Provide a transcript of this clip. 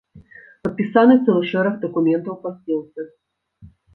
Падпісаны цэлы шэраг дакументаў па здзелцы.